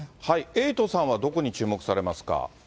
エイトさんはどこに注目されますか。